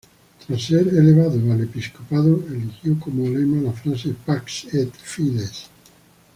Tras ser elevado al episcopado eligió como lema, la frase "Pax Et Fides".